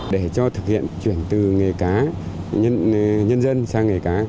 để cho thực hiện chuyển từ nghề cá nhân dân sang nghề cá